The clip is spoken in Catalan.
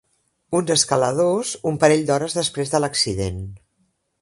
Uns escaladors, un parell d'hores després de l'accident.